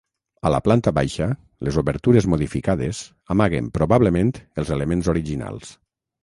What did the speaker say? A la planta baixa, les obertures modificades, amaguen probablement, els elements originals.